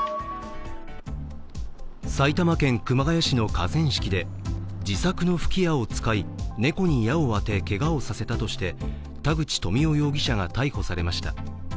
埼玉県熊谷市の河川敷で自作の吹き矢を使い猫に矢を当てけがをさせたとして田口富夫容疑者が逮捕されました。